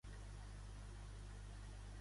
Quina missió tenia el monarca?